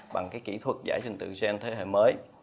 bằng cái kỹ thuật giải trình tự gen thế hệ mới